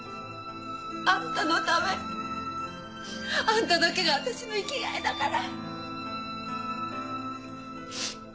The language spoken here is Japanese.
あんたのためあんただけが私の生きがいだから！